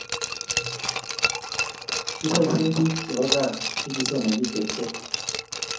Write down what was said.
Kipaishen pik che po kaa che kisomachi tekset